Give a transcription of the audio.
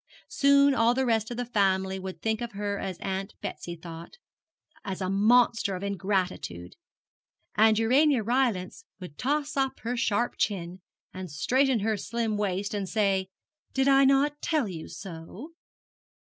Soon all the rest of the family would think of her as Aunt Betsy thought as a monster of ingratitude; and Urania Rylance would toss up her sharp chin, and straighten her slim waist, and say, 'Did I not tell you so?'